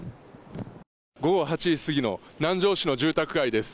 午後８時すぎの南城市の住宅街です。